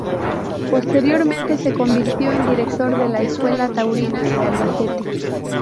Posteriormente se convirtió en director de la Escuela Taurina de Albacete.